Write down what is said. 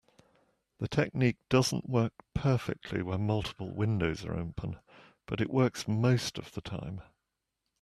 This technique doesn't work perfectly when multiple windows are open, but it works most of the time.